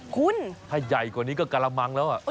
คุณถ้าใหญ่กว่านี้ก็กระมังแล้ว